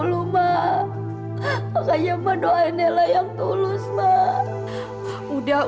sampai jumpa di video selanjutnya